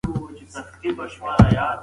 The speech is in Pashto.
پاکي د کورنۍ ټولو غړو ته ګټه لري.